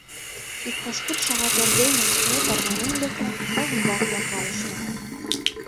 Иктаж куд шагат эрдене ме тарванен лекна да умбакыла кайышна.